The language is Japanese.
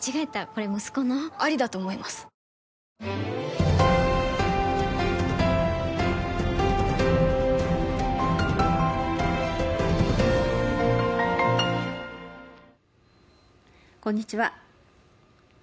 こんにちは。